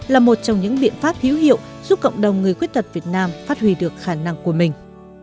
là một trong những biện pháp hữu hiệu giúp cộng đồng người khuyết tật việt nam phát huy được khả năng của mình